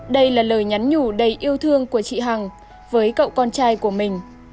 đây là lời nhắn nhủ đầy yêu thương của chị hằng với cậu con trai của mình